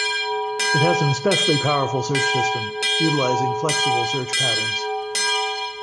It has an especially powerful search system utilizing flexible search patterns.